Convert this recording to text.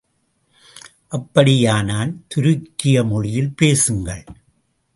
அப்படியானால், துருக்கிய மொழியில் பேசுங்கள்.